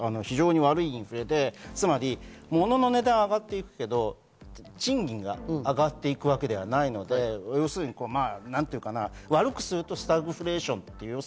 悪いインフレでつまり物の値段が上がっていくけれども賃金が上がっていくわけではないので、悪くするというとフラストレーション。